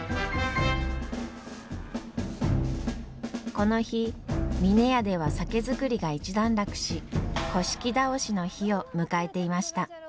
この日峰屋では酒造りが一段落し倒しの日を迎えていました。